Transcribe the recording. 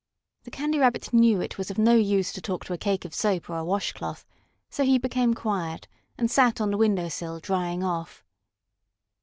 The Candy Rabbit knew it was of no use to talk to a cake of soap or a wash cloth, so he became quiet and sat on the window sill, drying off.